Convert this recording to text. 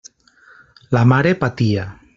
La mare patia.